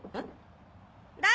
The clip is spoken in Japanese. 誰？